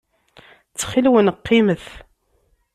Ttxil-wen, qqimet.